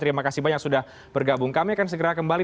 terima kasih banyak sudah bergabung kami akan segera kembali